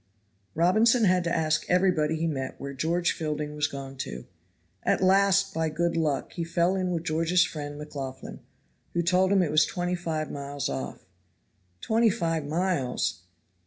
Robinson had to ask everybody he met where George Fielding was gone to. At last, by good luck, he fell in with George's friend, McLaughlan, who told him it was twenty five miles off. "Twenty five miles?